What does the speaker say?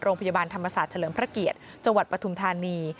โรงพยาบาลธรรมศาสตร์เฉลิมพระเกียรติจังหวัดปฐุมธานี